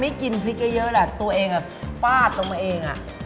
กินพริกเยอะแหละตัวเองฟาดลงมาเอง